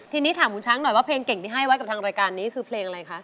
ทีนี้ถามคุณช้างหน่อยว่าเพลงเก่งที่ให้ไว้กับทางรายการนี้คือเพลงอะไรคะ